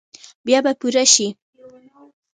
بیا به پوره شي ؟